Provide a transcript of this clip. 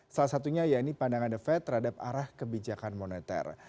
salah satunya ya ini pandangan the fed terhadap arah kebijakan moneter